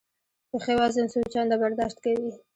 پښې وزن څو چنده برداشت کوي.